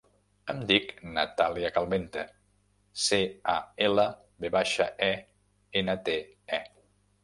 Em dic Natàlia Calvente: ce, a, ela, ve baixa, e, ena, te, e.